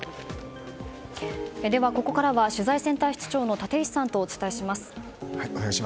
ここからは取材センター室長の立石さんとお伝えします。